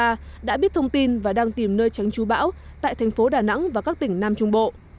tỉnh quảng bình đã biết thông tin và đang tìm nơi tránh trú bão tại thành phố đà nẵng và các tỉnh nam trung bộ